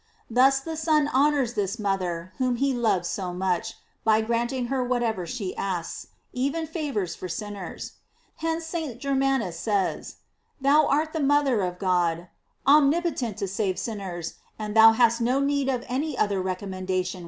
Thus the Son honors this mother whom he loves so much, by granting her whatever she asks, even favors for sinners. Hence St. Germanus says: Thou art the mother of God, omnipotent to save sinners, and thou hast no need of any other recommendation with * Honorantes earn in noc ssecuio, Ixonorabit in future.